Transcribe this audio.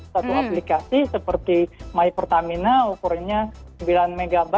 satu aplikasi seperti my pertamina ukurannya sembilan mb